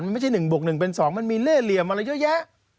มันไม่ใช่๑บวก๑เป็น๒มันมีเล่เหลี่ยมอะไรเยอะแยะ